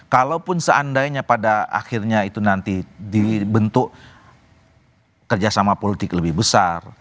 kalaupun seandainya pada akhirnya itu nanti dibentuk kerjasama politik lebih besar